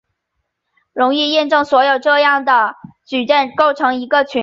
容易验证所有这样的矩阵构成一个群。